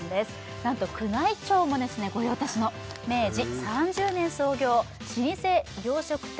なんと宮内庁も御用達の明治３０年創業老舗洋食店